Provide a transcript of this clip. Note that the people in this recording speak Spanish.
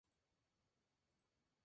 Nintendo del software desarrollo Studio